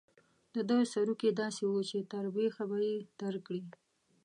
د ده سروکي داسې وو چې تر بېخه به یې درکړي.